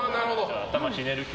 頭ひねる系。